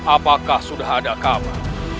apakah sudah ada kabar